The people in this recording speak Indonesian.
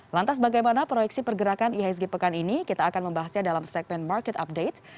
lantas bagaimana proyeksi pergerakan ihsg pekan ini kita akan membahasnya dalam segmen market update